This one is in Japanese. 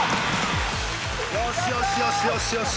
よしよしよしよし